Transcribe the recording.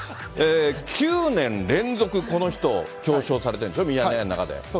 ９年連続この人を表彰されてるんでしょ、ミヤネ屋の中で。